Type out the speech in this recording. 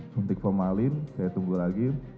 sentik pemalin saya tunggu lagi